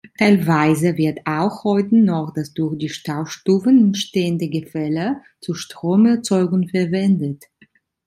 Teilweise wird auch heute noch das durch die Staustufen entstandene Gefälle zur Stromerzeugung verwendet.